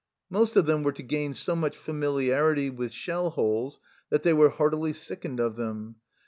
Most of them were to gain so much familiarity with shell holes that they were heartily sickened of them.